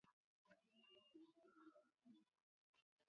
دوکاندار د ښځو لپاره جدا سامان لري.